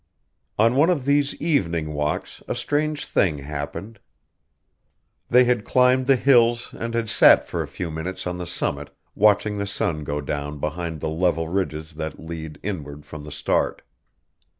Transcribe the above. On one of these evening walks a strange thing happened. They had climbed the hills and had sat for a few minutes on the summit watching the sun go down behind the level ridges that lead inward from the Start.